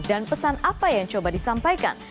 dan pesan apa yang coba disampaikan